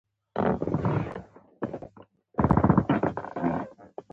کله چې څلویښت کلن شو باید مالیه ورکړي.